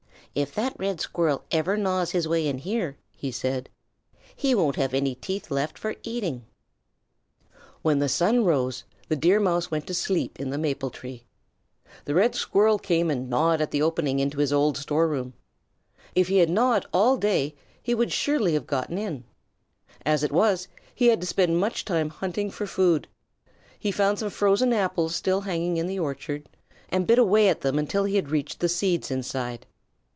"If that Red Squirrel ever gnaws his way in here," he said, "he won't have any teeth left for eating." When the sun rose, the Deer Mouse went to sleep in the maple tree. The Red Squirrel came and gnawed at the opening into his old storeroom. If he had gnawed all day he would surely have gotten in. As it was, he had to spend much time hunting for food. He found some frozen apples still hanging in the orchard, and bit away at them until he reached the seeds inside.